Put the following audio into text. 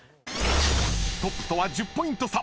［トップとは１０ポイント差］